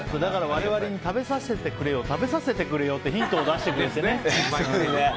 我々に食べさせてくれよう食べさせてくれようってヒントを出してくれてね。